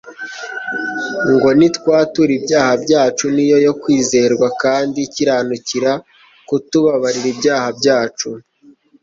ngo : «nitwatura ibyaha byacu, ni yo yo kwizerwa kandi ikiranukira kutubabarira ibyaha byacu,